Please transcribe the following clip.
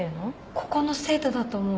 ここの生徒だと思う。